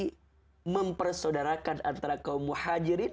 dan mempersaudarakan antara kaum muhajirin